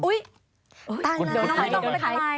อุ๊ยตั้งแล้ว